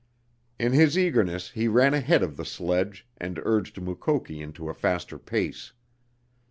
In his eagerness he ran ahead of the sledge and urged Mukoki into a faster pace.